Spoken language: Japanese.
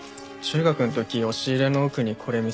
中学の時押し入れの奥にこれ見つけて。